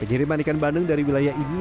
pengiriman ikan bandeng dari wilayah ini